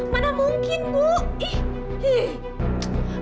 mana mungkin bu ih